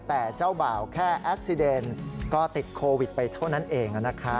แต่เจ้าบ่าวแค่แอคซีเดน